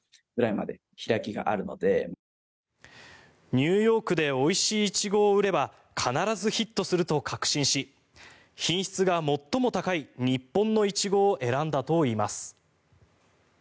ニューヨークでおいしいイチゴを売れば必ずヒットすると確信し品質が最も高い日本のイチゴを選んだといいます。